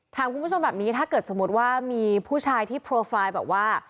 ถามคุณผู้ชมแบบนี้ถ้าเกิดสมมุติว่ามีผู้ชายที่โปรไฟล์แบบว่า